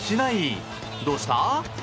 どうした？